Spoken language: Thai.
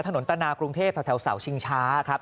ถนนตนากรุงเทพฯแถวสาวชิงชาครับ